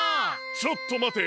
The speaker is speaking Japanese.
ちょっとまて。